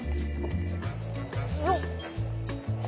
よっ！